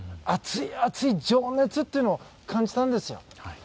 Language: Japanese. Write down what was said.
熱い熱い情熱っていうのを感じたんですよ。